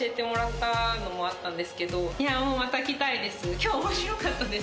今日面白かったです。